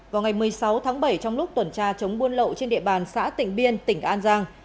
vào ngày một mươi sáu tháng bảy trong lúc tuần tra chống buôn lậu trên địa bàn xã tỉnh biên tỉnh an giang